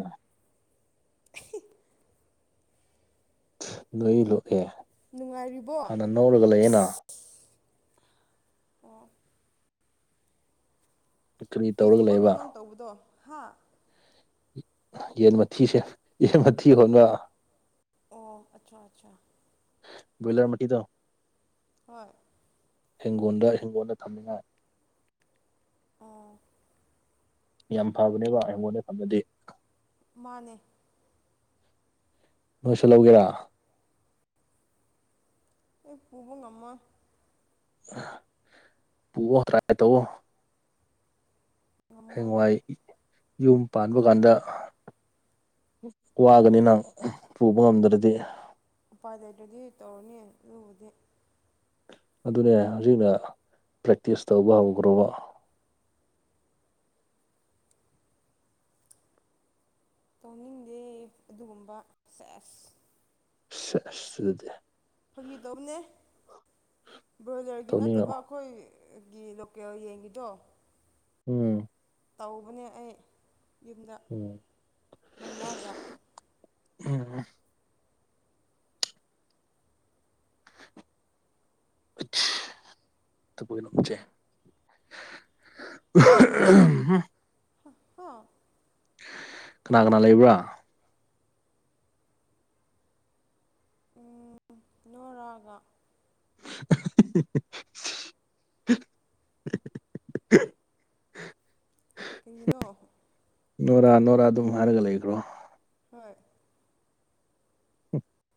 ꯑ [inaudible] ꯅꯣꯏ ꯂꯣꯛꯑꯦ ꯅꯨꯡꯉꯥꯏꯔꯤꯕꯣ ꯍꯥꯟꯅ ꯅꯧꯔꯒ ꯂꯩ ꯑꯩꯅ ꯑꯣ ꯀꯔꯤ ꯀꯩ ꯇꯧꯔꯒ ꯊꯕꯛꯅꯣ ꯂꯩꯕ ꯅꯪ ꯇꯧꯕꯗꯣ ꯍꯥ ꯌꯦꯟ ꯃꯊꯤꯁꯦ ꯌꯦꯟ ꯃꯊꯤ ꯍꯣꯟꯕ ꯑꯣ ꯑꯆꯥ ꯑꯆꯥ ꯕꯣꯏꯂꯔ ꯃꯥꯇꯤꯗꯣ ꯍꯣꯏ ꯍꯤꯡꯒꯣꯜꯗ ꯍꯤꯡꯒꯣꯟꯜꯗ ꯊꯝꯅꯤꯡꯉꯥꯏ ꯑꯥ ꯌꯥꯝ ꯐꯕꯅꯦꯕ ꯑꯩꯉꯣꯟꯗ ꯊꯝꯅꯗꯦ ꯃꯥꯅꯦ ꯅꯣꯏꯁꯨ ꯂꯧꯒꯦꯔꯥ ꯑꯦ ꯄꯨꯕ ꯉꯃ ꯄꯨꯑꯣꯣ ꯀꯔꯥꯏ ꯇꯧꯑꯣꯣ ꯉꯝꯃꯣꯏ ꯍꯦꯡꯋꯥꯏ ꯌꯨꯝ ꯄꯥꯟꯕ ꯀꯥꯟꯗ ꯋꯥꯒꯅꯤ ꯅꯪ ꯄꯨꯕ ꯉꯝꯗ꯭ꯔꯗꯤ ꯎꯄꯥꯗꯩ ꯑꯗꯨꯗꯤ ꯇꯧꯔꯅꯤ ꯂꯨꯕꯗꯤ ꯑꯗꯨꯅꯦ ꯍꯧꯖꯤꯛꯅ ꯄ꯭ꯔꯦꯛꯇꯤꯁ ꯇꯧꯕ ꯍꯧꯈ꯭ꯔꯕ ꯇꯣꯡꯅꯤꯡꯗꯦ ꯑꯗꯨꯒꯨꯝꯕ ꯁꯦꯁ ꯁꯗ ꯐꯪꯈꯤꯗꯧꯅꯦ ꯕ꯭ꯔꯣꯏꯂꯔꯒꯤ ꯅꯠꯇꯕ ꯇꯧꯅꯤꯡꯉꯛꯑꯣ ꯑꯩꯈꯣꯏꯒꯤ ꯂꯣꯀꯦꯜ ꯌꯦꯡꯉꯗꯣ ꯎꯝ ꯇꯧꯕꯅꯦ ꯑꯩ ꯌꯨꯝꯗ ꯎꯝ ꯃꯃꯥꯒ ꯎꯝ ꯑ [inaudible] ꯅꯆꯦ ꯍ ꯀꯅꯥ ꯀꯅꯥ ꯂꯩꯕ꯭ꯔꯥ ꯎꯝ ꯅꯣꯏꯔꯒ [inaudible] [inaudible] ꯀꯔꯤꯒꯤꯅꯣ ꯅꯔꯥ ꯅꯣꯔꯥ ꯑꯗꯨꯝ ꯍꯥꯏꯔꯒ ꯂꯩꯈ꯭ꯔꯣ ꯍꯣꯏ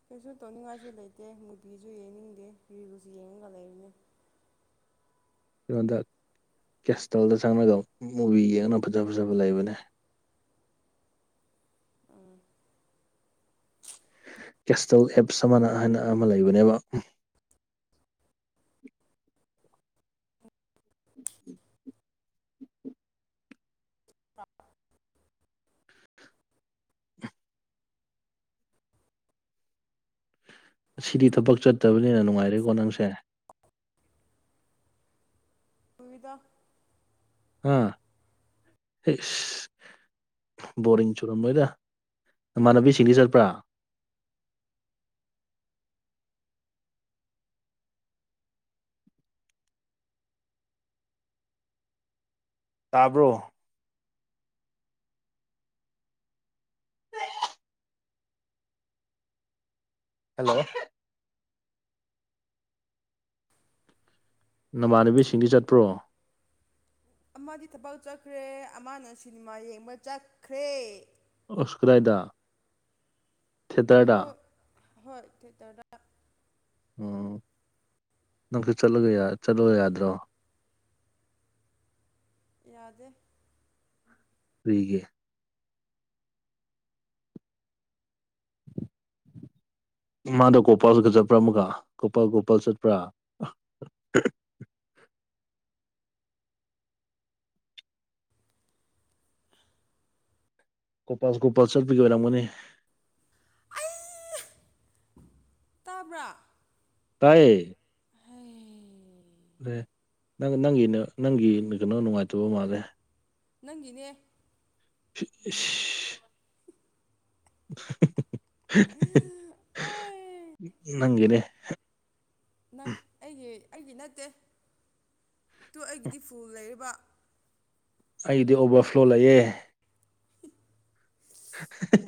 ꯐꯦꯁꯕꯨꯠ ꯇꯧꯅꯤꯡꯉꯥꯏꯁꯨ ꯂꯩꯇꯦ ꯃꯨꯕꯤꯁꯨ ꯌꯦꯡꯅꯤꯡꯗꯦ ꯔꯤꯜꯁꯨ ꯌꯦꯡꯉꯒ ꯂꯩꯔꯤꯅꯦ ꯑꯩꯉꯣꯟꯗ ꯀꯦꯁꯇꯦꯜꯗ ꯆꯪꯉꯒ ꯃꯨꯚꯤ ꯌꯦꯡꯅ ꯐꯖ ꯐꯖꯕ ꯂꯩꯕꯅꯦ ꯎꯥ ꯀꯦꯁꯇꯦꯜ ꯑꯦꯞꯁ ꯑꯃꯅ ꯍꯥꯏꯅ ꯑꯃ ꯂꯩꯕꯅꯦꯕ [inaudible] ꯊ ꯑꯁꯤꯗꯤ ꯊꯕꯛ ꯆꯠꯇꯕꯅꯤꯅ ꯅꯨꯡꯉꯥꯏꯔꯦꯀꯣ ꯅꯪꯁꯦ UNINTELLIGIBLE ꯑꯥ ꯕꯣꯔꯤꯡ ꯆꯨꯔꯝꯂꯣꯏꯗ ꯅꯃꯥꯟꯅꯕꯤꯁꯤꯡꯗꯤ ꯆꯠꯄ꯭ꯔꯥ ꯇꯥꯕ꯭ꯔꯣ ꯍꯂꫭ ꯅꯃꯥꯟꯅꯕꯤꯁꯤꯡꯗꯤ ꯆꯠꯄ꯭ꯔꯣ ꯑꯃꯗꯤ ꯊꯕꯛ ꯆꯠꯈ꯭ꯔꯦ ꯑꯃꯅ ꯁꯤꯅꯦꯃꯥ ꯌꯦꯡꯕ ꯆꯠꯈ꯭ꯔꯦ ꯑꯁꯀꯔꯥꯏꯗ ꯀꯩꯅꯣ ꯍꯣꯏ ꯎ ꯅꯪꯁꯨ ꯆꯠꯂꯒ ꯆꯠꯂ ꯌꯥꯗ꯭ꯔꯣ ꯌꯥꯗꯦ ꯀꯨꯏꯒꯦ ꯃꯥꯗ ꯀꯣꯄꯥꯜꯁꯨꯒ ꯆꯠꯄ꯭ꯔꯥ ꯑꯃꯒ ꯀꯣꯄꯥꯜ ꯀꯣꯄꯥꯜ ꯆꯠꯄ꯭ꯔꯥ ꯒꯄꯥꯜ ꯒꯣꯄꯥꯜ ꯆꯠꯄꯒꯤ ꯑꯣꯏꯔꯝꯒꯅꯤ ꯇꯥꯕ꯭ꯔꯥ ꯇꯥꯏꯌꯦ ꯍꯥꯏ ꯑ ꯅꯪ ꯅꯪꯒꯤ ꯅꯪꯒꯤ ꯀꯩꯅꯣ ꯅꯨꯡꯉꯥꯏꯇꯕ ꯃꯥꯜꯂꯦ ꯅꯪꯒꯤꯅꯦ ꯏꯁ ꯑꯩ ꯅꯪꯒꯤꯅꯦ ꯅꯪ ꯑꯩꯒꯤ ꯑꯩꯒꯤ ꯅꯠꯇꯦ ꯑꯗꯨꯣ ꯑꯩꯒꯤꯗꯤ ꯐꯨ ꯂꯩꯔꯤꯕ ꯑꯩꯗꯤ ꯑꯣꯕꯔꯐ꯭ꯂꯣ ꯂꯩꯌꯦ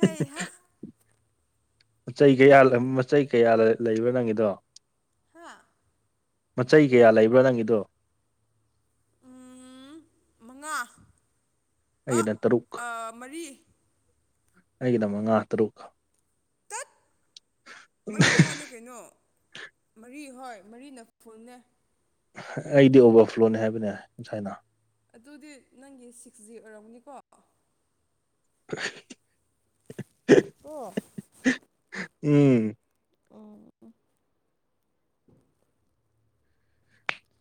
ꯍꯩ ꯍꯥ ꯃꯆꯩ ꯀꯌꯥ ꯃꯆꯩ ꯀꯌꯥ ꯂꯩꯕ꯭ꯔꯥ ꯅꯪꯒꯤꯗꯣ ꯍ ꯃꯆꯩ ꯀꯌꯥ ꯂꯩꯕ꯭ꯔꯣ ꯅꯪꯒꯤꯗꯣ ꯎꯝ ꯃꯉꯥ ꯑ ꯑꯩꯒꯤꯅ ꯇꯔꯨꯛ ꯑ ꯃꯔꯤ ꯑꯩꯒꯤꯅ ꯃꯉꯥ ꯇꯔꯨꯛ ꯇꯠ ꯃꯔꯤ ꯐꯥꯎꯅꯦ ꯀꯩꯅꯣ ꯃꯔꯤ ꯍꯣꯏ ꯃꯔꯤ ꯅꯐꯨꯜꯅꯦ ꯑꯩꯗꯤ ꯑꯣꯕꯔꯐ꯭ꯂꯣꯅꯤ ꯍꯥꯏꯕꯅꯦ ꯉꯁꯥꯏꯅ ꯑꯗꯨꯗꯤ ꯅꯪꯒꯤ ꯁꯤꯛꯁ ꯖꯤ ꯑꯣꯏꯔꯝꯅꯤꯀꯣ ꯍ ꯑꯣ ꯎꯝ ꯑ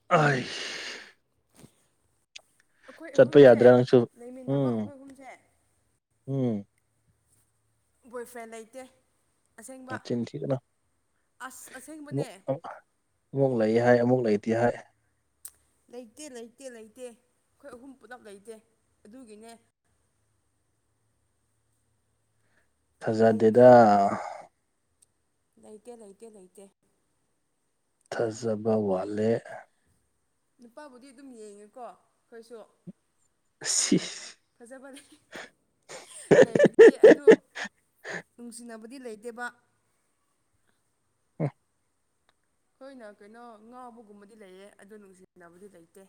ꯑꯣꯏ ꯑꯩꯈꯣꯏ ꯆꯠꯄ ꯑꯍꯨꯝꯁꯦ ꯌꯥꯗ꯭ꯔꯥ ꯅꯪꯁꯨ ꯂꯩꯃꯤꯟꯅꯕ ꯎꯝ ꯑꯩꯈꯣꯏ ꯑꯍꯨꯝꯁꯦ ꯎꯝ ꯕꯣꯏꯐ꯭ꯔꯦꯟ ꯂꯩꯇꯦ ꯑꯁꯦꯡꯕ ꯃꯆꯤꯟ ꯊꯤꯒꯅꯨ ꯑꯁ ꯑꯁꯦꯡꯕꯅꯦ ꯑꯃꯨꯛ ꯑꯃꯨꯛ ꯂꯩ ꯍꯥꯏ ꯑꯃꯨꯛ ꯂꯩꯇꯦ ꯍꯥꯏ ꯂꯩꯇꯦ ꯂꯩꯇꯦ ꯂꯩꯇꯦ ꯑꯩꯈꯣꯏ ꯑꯍꯨꯝ ꯄꯨꯂꯞ ꯂꯩꯇꯦ ꯑꯗꯨꯒꯤꯅꯦ ꯂꯩꯇꯦ ꯐꯖꯗꯦꯗ ꯂꯩꯇꯦ ꯂꯩꯇꯦ ꯂꯩꯇꯦ ꯊꯥꯖꯕ ꯋꯥꯂꯦ ꯅꯨꯄꯥꯕꯨꯗꯤ ꯑꯗꯨꯝ ꯌꯦꯡꯉꯦꯀꯣ ꯑꯩꯈꯣꯏꯁꯨ ꯑ ꯁꯤ ꯐꯖꯕ ꯂꯩꯔꯤꯗꯤ ꯑꯗꯨ ꯅꯨꯡꯁꯤꯅꯕꯗꯤ ꯂꯩꯇꯦꯕ ꯑ ꯑꯩꯈꯣꯏꯅ ꯀꯩꯅꯣ ꯉꯥꯎꯕꯒꯨꯝꯕꯗꯤ ꯂꯩꯌꯦ ꯑꯗꯨ ꯅꯨꯡꯁꯤꯅꯕꯗꯤ ꯂꯩꯇꯦ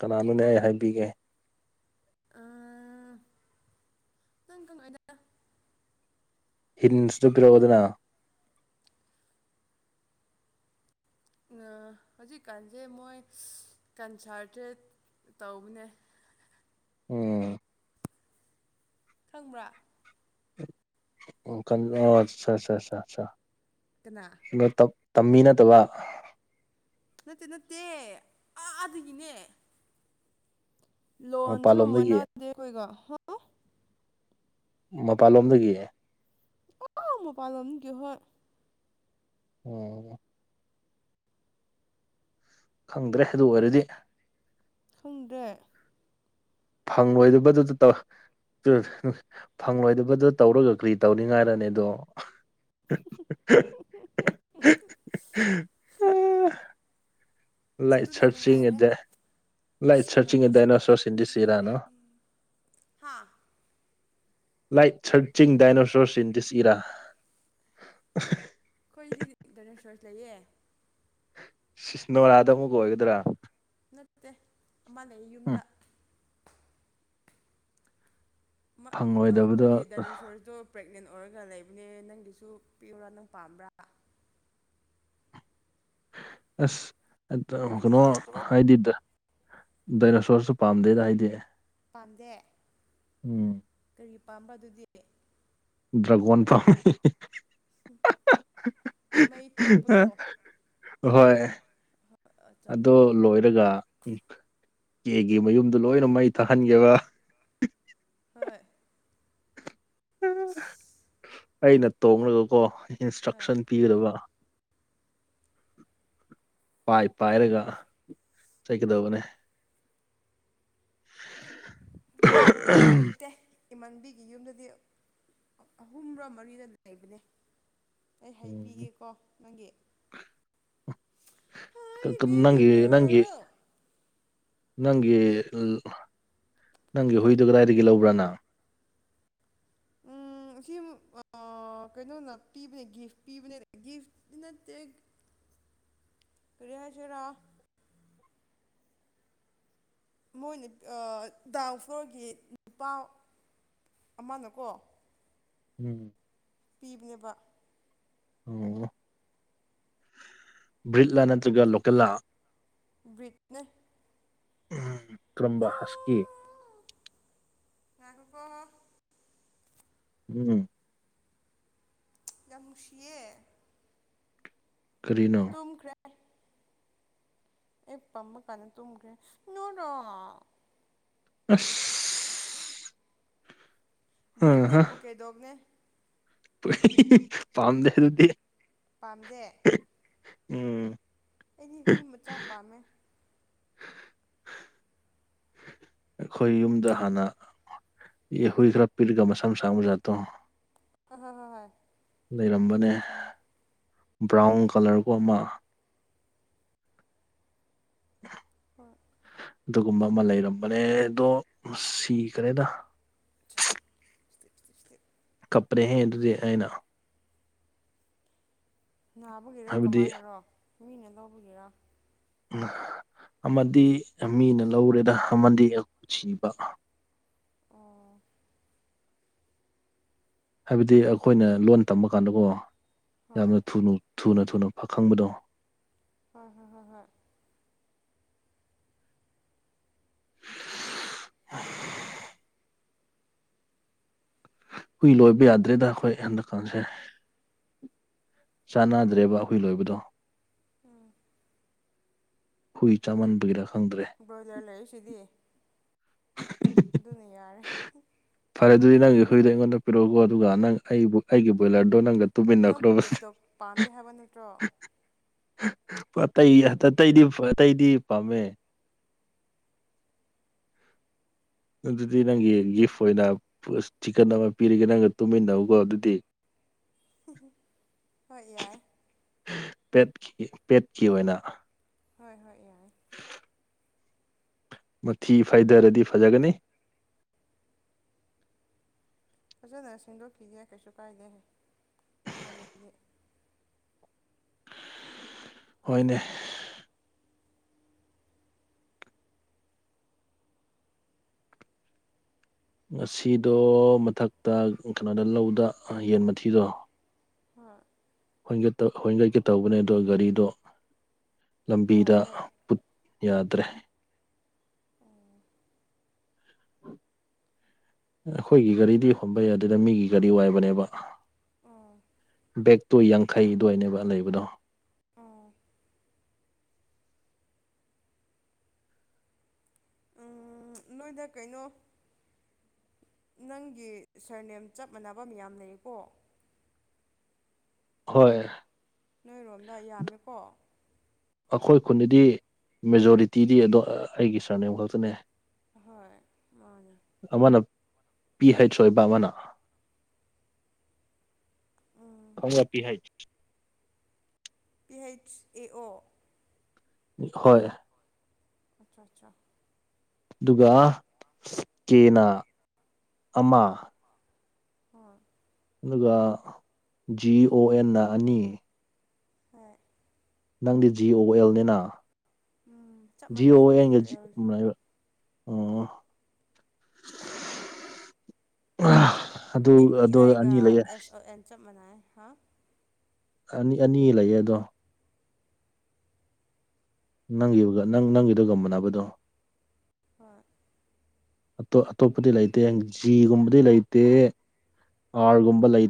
ꯀꯅꯥꯅꯣꯅꯦ ꯑꯩ ꯍꯥꯏꯕꯤꯒꯦ ꯅꯪ ꯀꯃꯥꯏꯅ ꯍꯤꯟꯁꯇꯣ ꯄꯤꯔꯛꯑꯣ ꯑꯗꯨꯅ ꯍꯧꯖꯤꯛꯀꯥꯟꯁꯦ ꯃꯣꯏ ꯀꯟꯁꯥꯔꯇ꯭ꯔꯦꯠ ꯇꯧꯕꯅꯦ ꯎꯝ ꯈꯪꯕ꯭ꯔꯥ ꯑꯣ ꯑꯆꯥ ꯑꯆꯥ ꯑ ꯀꯅꯥ ꯇꯝꯃꯤ ꯅꯠꯇꯕ ꯅꯠꯇꯦ ꯅꯠꯇꯦ ꯑꯗꯥꯒꯤꯅꯦ ꯂꯣꯟꯁꯨ ꯃꯄꯥꯟꯂꯣꯝꯗꯒꯤ ꯃꯅꯥꯗꯦ ꯑꯩꯈꫭꯏꯒ ꯃꯄꯥꯟꯂꯣꯝꯗꯒꯤ ꯑꯥꯎ ꯃꯣ ꯄꯜꯂꯝꯝ ꯀꯣꯍꯣꯏ ꯑꯣꯝ ꯈꯪꯗ꯭ꯔꯦ ꯑꯗꯨ ꯑꯣꯏꯔꯗꯤ ꯈꯨꯡꯗꯦ ꯐꯪꯉꯣꯏꯗꯕꯗꯨꯗ ꯇꯧ ꯐꯪꯂꯣꯏꯗꯕꯗꯣ ꯇꯧꯔꯒ ꯀ꯭ꯔꯤ ꯇꯧꯅꯤꯡꯉꯥꯏꯔꯅꯤ ꯑꯗꯣ ꯑꯣ ꯑꯗꯨꯅ ꯅꯨꯡꯉꯥꯏꯔꯦ ꯑꯦꯗ ꯂꯥꯏꯠ ꯁꯔꯆꯤꯡ ꯑꯦ ꯀꯅꯥꯅꯣꯁꯤꯕꯣ ꯗꯥꯏꯅꯣꯁꯣꯔꯁ ꯏꯟ ꯗꯤꯁ ꯏꯔꯥ ꯑꯩ ꯅꯣ ꯍꯥꯥ light searching dinosaurs in this era ꯑꯩꯈꯣꯏꯗꯤ ꯅꯦꯔ ꯁꯣꯔꯁ ꯂꯩꯌꯦ ꯁꯤꯁ ꯅꯣꯔꯥꯗ ꯑꯃꯨꯛ ꯑꯣꯏꯒꯗ꯭ꯔꯥ ꯅꯠꯇꯦ ꯑꯃ ꯂꯩ ꯎꯝ ꯌꯨꯝꯗ ꯐꯪꯂꯣꯏꯗꯕꯗꯣ ꯑꯩꯈꯣꯏꯒꯤ ꯗꯥꯏꯅꯦꯁꯣꯔꯗꯣ ꯄ꯭ꯔꯦꯒꯅꯦꯟ ꯑꯣꯏꯔꯒ ꯂꯩꯕꯅꯦ ꯅꯪꯒꯤꯁꯨ ꯄꯤꯎꯔꯥ ꯅꯪ ꯄꯥꯝꯕ꯭ꯔꯥ ꯑꯁ ꯀꯩꯅꯣ ꯍꯥꯏꯗꯤꯗ ꯗꯥꯏꯅꯣꯁꯣꯔꯁꯨ ꯄꯥꯝꯗꯦꯗ ꯍꯥꯏꯗꯤ ꯄꯝꯗꯦ ꯎꯝ ꯀꯔꯤ ꯄꯥꯝꯕ ꯑꯗꯨꯗꯤ ꯗ꯭ꯔꯒꯣꯟ ꯐꯥꯎꯅꯤ ꯃꯩ ꯊꯣꯛꯄꯗꯣ ꯍꯣꯏ ꯑꯗꯣ ꯂꯣꯏ ꯑꯗꯨꯒ ꯎ ꯀꯦꯒꯤ ꯃꯌꯨꯝꯗꯨꯣ ꯂꯣꯏꯅ ꯃꯩ ꯊꯥꯍꯟꯒꯦꯕ ꯍꯣꯏ [unintelligible] ꯑꯩꯅ ꯇꯣꯡꯡꯂꯒꯀꯣ ꯍꯣꯏ ꯏꯟꯁꯇ꯭ꯔꯛꯁꯟ ꯄꯤꯒꯗꯕ ꯄꯥꯏ ꯄꯥꯏꯔꯒ ꯆꯠꯀꯗꯧꯕꯅꯦ ꯗꯔꯒꯣꯟꯕꯤ ꯂꯩꯇꯦ ꯏꯃꯥꯟꯕꯤꯒꯤ ꯌꯨꯝꯗꯗꯤ ꯑꯍꯨꯝꯕꯥ ꯃꯔꯤꯗ ꯂꯩꯕꯅꯦ ꯑꯩ ꯎꯝ ꯍꯥꯏꯕꯤꯒꯦꯀꯣ ꯅꯪꯒꯤ ꯍꯥꯏ ꯀ- ꯀ- ꯅꯪꯒꯤ ꯅꯪꯒꯤ ꯦꯕꯤꯒꯔ ꯅꯪꯒꯤ ꯅꯪꯒꯤ ꯍꯨꯏꯗꯨꯣ ꯀꯗꯥꯏꯗꯒꯤ ꯂꯧꯕ꯭ꯔꯥꯅ ꯎꯝ ꯁꯤ ꯑꯃ ꯀꯩꯅꯣꯅ ꯄꯤꯕꯅꯦ ꯒꯤꯐ ꯄꯤꯕꯅꯦ ꯒꯤꯐ ꯅꯠꯇꯦ ꯀꯔꯤ ꯍꯥꯏꯁꯤꯔꯥ ꯃꯣꯏ ꯗꯥꯎꯟ ꯐ꯭ꯂꯣꯔꯒꯤ ꯅꯨꯄꯥ ꯑꯃꯅꯀꯣ ꯎꯝ ꯄꯤꯕꯅꯦꯕ ꯑꯣꯝ ꯕ꯭ꯔꯤꯠꯂꯥ ꯅꯠꯇ꯭ꯔꯒ ꯂꯣꯀꯜꯂꯥ ꯕꯤꯠꯅꯤ ꯀꯔꯝꯕ ꯍꯁꯀꯤ ꯉꯥꯏꯈꫭꯀꫭ ꯎꯝ ꯌꯥꯝꯅꯨꯡꯁꯤꯌꯦ ꯀꯔꯤꯅꯣ ꯇꯨꯝꯈ꯭ꯔꯦ ꯄꯝꯃ ꯀꯟꯗꯥ ꯇꯨꯝꯈ꯭ꯔꯦ ꯅꯣ ꯅꫭ ꯑꯁ ꯕ꯭ꯔꯤꯠꯅꯦ ꯄꯣꯀꯦꯗꯣꯛꯅꯦ ꯄꯝꯗꯦ ꯑꯗꯨꯗꯤ ꯄꯥꯝꯗꯦ ꯎꯝ ꯑꯩꯗꯤ ꯍꯨꯏ ꯃꯆꯥ ꯄꯥꯝꯃꯦ ꯑꯩꯈꯣꯏ ꯌꯨꯝꯗ ꯍꯥꯟꯅ ꯍꯨꯏ ꯈ꯭ꯔ ꯄꯤꯛꯑꯒꯥ ꯃꯁꯝ ꯁꯥꯡꯕꯥ ꯖꯥꯠꯇꫭ ꯍꯥꯏ ꯍꯣꯏ ꯂꯩꯔꯝꯕꯅꯦ ꯈꯪꯉꯦ ꯈꯪꯉꯦ ꯕ꯭ꯔꯥꯎꯟ ꯀꯂꯔꯕꯨ ꯑꯃ [inaudible] ꯍꯣꯏ ꯑꯗꯨꯒꯨꯝꯕ ꯑꯃ ꯂꯩꯔꯝꯕꯅꯦ ꯑꯗꯣ ꯁꯤꯈꯔꯦꯗ [unintelligible] ꯀꯄ꯭ꯔꯦ ꯍꯦꯛ ꯑꯗꯨꯗꯤ ꯑꯩꯅ ꯅꯥꯕꯒꯤꯔ ꯍꯥꯏꯕꯗꯤ ꯀꯃꯥꯏꯅꯔꯣ ꯃꯤꯅ ꯂꯧꯕꯒꯤꯔꯥ ꯑꯃꯗꯤ ꯃꯤꯅ ꯂꯧꯔꯦꯗ ꯑꯃꯗꯤ ꯁꯤꯕ ꯑꯣ ꯍꯥꯏꯕꯗꯤ ꯑꯩꯈꯣꯏꯅ ꯂꯣꯟ ꯇꯝꯕ ꯀꯥꯟꯗꯀꯣ ꯍꯣꯏ ꯌꯥꯝꯅ ꯊꯨꯅ ꯊꯨꯅ ꯈꯪꯕꯗꯣ ꯎꯝ ꯎꯝ [inaudible] ꯍꯨꯏ ꯂꯣꯏꯕ ꯌꯥꯗ꯭ꯔꯦꯗ ꯑꯩꯈꯣꯏ ꯍꯟꯗꯛꯀꯥꯟꯁꯦ ꯆꯥꯅꯗ꯭ꯔꯦꯕ ꯑꯩꯈꯣꯏ ꯂꯣꯏꯕꯗꯣ ꯎꯝ ꯍꯨꯏ ꯆꯥꯃꯟꯕꯒꯤꯔ ꯈꯪꯗ꯭ꯔꯦ ꯂꯩꯁꯤꯗꯤ ꯑꯗꯨꯅ ꯌꯥꯔꯦ ꯐꯔꯦ ꯑꯗꯨꯗꯤ ꯅꯪꯒꯤ ꯍꯨꯏꯗꯣ ꯑꯩꯉꯣꯟꯗ ꯄꯤꯔꯛꯎꯀꯣ ꯑꯗꯨꯒ ꯅꯪ ꯑꯩꯕꯨ ꯑꯩꯒꯤ ꯕꯣꯏꯂꯔꯗꯣ ꯅꯪꯒ ꯅꯪ ꯇꯨꯃꯤꯟꯅꯈ꯭ꯔꯣꯕ ꯄꯣꯀꯦꯠꯗꫭꯛ ꯄꯥꯝꯗꯦ ꯍꯥꯏꯕ ꯅꯠꯇ꯭ꯔꯣ ꯑꯇꯩ ꯑꯇꯩꯗꯤ ꯑꯇꯩꯗꯤ ꯄꯥꯝꯃꯦ ꯑꯗꯨꯗꯤ ꯅꯪꯒꯤ ꯒꯤꯐ ꯑꯣꯏꯅ ꯆꯤꯛꯀꯟ ꯑꯃ ꯄꯤꯔꯤꯒꯦ ꯅꯪꯒ ꯇꯨꯝꯃꯤꯟꯅꯧꯀꯣ ꯑꯗꯨꯗꯤ [inaudible] ꯍꯣꯏ ꯌꯥꯏ ꯄꯦꯠꯀꯤ ꯄꯦꯠꯀꯤ ꯑꯣꯏꯅ ꯍꯣꯏ ꯍꯣꯏ ꯌꯥꯏ꯫ ꯃꯊꯤ ꯐꯥꯏꯗꯔꯗꯤ ꯐꯖꯒꯅꯤ꯫ ꯐꯖꯅ ꯁꯦꯡꯗꯣꯛꯈꯤꯒꯦ ꯀꯩꯁꯨ ꯀꯥꯏꯗꯦ ꯑꯩꯉꯣꯟꯗꯗꯤ꯫ ꯍꯣꯏꯅꯦ꯫ ꯉꯁꯤꯗꯣ ꯃꯊꯛꯇ ꯀꯩꯅꯣꯗ ꯂꯧꯗ ꯌꯦꯟ ꯃꯊꯤꯗꯣ꯫ ꯍꯥꯥ꯫ ꯍꫭꯟꯒꯠꯇ ꯍꫭꯟꯒꯠꯀꯦ ꯇꯧꯕꯅꯦ ꯑꯗꯣ ꯒꯥꯔꯤꯗꯣ ꯂꯝꯕꯤꯗ ꯌꯥꯗ꯭ꯔꯦ ꯄꯨꯠ ꯌꯥꯗ꯭ꯔꯦ꯫ ꯑꯈꯣꯏꯒꯤ ꯒꯥꯔꯤꯗꯤ ꯍꯣꯟꯕ ꯌꯥꯗꯦꯗ ꯃꯤꯒꯤ ꯒꯥꯔꯤ ꯋꯥꯏꯕꯅꯦꯕ꯫ ꯑꫭ꯫ ꯕꯦꯒꯛꯇꫭ ꯌꯥꯡꯈꯩ ꯗ꯭ꯋꯥꯏꯅꯦꯕ ꯂꯩꯕꯗꯣ꯫ ꯑꫭ꯫ ꯎ ꯅꯣꯏꯗ ꯀꯩꯅꯣ ꯅꯪꯒꯤ ꯁꯔꯅꯦꯝ ꯆꯞ ꯃꯥꯟꯅꯕ ꯃꯌꯥꯝ ꯂꯩꯀꯣ꯫ ꯍꯣꯏ꯫ ꯅꯣꯏꯔꯣꯝꯗ ꯌꯥꯝꯃꯦꯀꯣ꯫ ꯑꯩꯈꯣꯏ ꯈꯨꯟꯗꯗꯤ ꯃꯦꯖꯣꯔꯤꯇꯤꯗꯤ ꯑꯗꯣ ꯑꯩꯒꯤ ꯁꯥꯔꯅꯦꯝ ꯈꯛꯇꯅꯦ꯫ ꯑꯍꯣꯏ ꯃꯥꯅꯦ꯫ ꯑꯃꯅ ꯄꯤ ꯍꯩꯆ ꯑꯣꯏꯕ ꯑꯃꯅ ꯎꯝ [inaudible] ꯄꯤ ꯍꯩꯆ ꯑꯦ ꯑꯣ꯫ ꯃꯤꯛ ꯍꯣꯏ꯫ ꯑꯆꯥ ꯑꯆꯥ꯫ ꯑꯗꯨꯒꯥ ꯀꯦꯅꯥ ꯑꯃꯥ꯫ ꯍꯣꯏ꯫ ꯑꯗꯨꯒ ꯖꯤ ꯑꯣ ꯑꯦꯟꯅ ꯑꯅꯤ꯫ ꯍꫭꯏ꯫ ꯅꯪꯗꯤ ꯖꯤ ꯑꯣ ꯑꯦꯜꯅꯤꯅ ꯎꯝ ꯆꯞ ꯖꯤꯌꯣ ꯃꯥꯟꯅꯩ ꯖꯤ ꯑꯦꯟꯒ ꯑꯦꯜ ꯃꯅꯩꯕ꯫ ꯑꯣ꯫ [unintelligible] [unintelligible] ꯑꯗꯨ ꯑꯦꯝ ꯏ ꯑꯗꫭ ꯑꯥꯏꯒ ꯑꯅꯤ ꯂꯩꯌꯦ꯫ ꯑꯦꯁ ꯑꯣ ꯑꯦꯟ ꯆꯞ ꯃꯅꯥꯏ ꯍꯥ꯫ ꯑꯅꯤ ꯑꯅꯤ ꯂꯩꯌꯦ ꯑꯗꯣ꯫ ꯅꯪꯒꯤꯎꯒ ꯅꯪ ꯅꯪꯒꯤꯗꯨꯒ ꯃꯥꯅꯕꯗꯣ꯫ ꯍꯣꯏ꯫ ꯑꯇꫭ ꯑꯇꯣꯞꯄꯗꯤ ꯂꯩꯇꯦ ꯖꯤꯒꯨꯝꯕꯗꯤ ꯂꯩꯇꯦ ꯑꯥꯔꯒꯨꯝꯕ ꯂꯩ